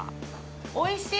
おいしい！